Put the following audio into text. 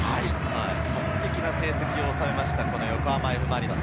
完璧な成績を収めました、横浜Ｆ・マリノス。